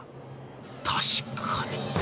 「確かに。